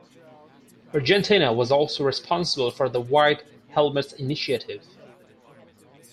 Argentina was also responsible for the White Helmets initiative.